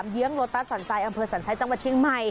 เยื้องโลตัสสันทรายอำเภอสันไทยจังหวัดเชียงใหม่